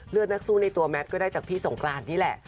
นักสู้ในตัวแมทก็ได้จากพี่สงกรานนี่แหละ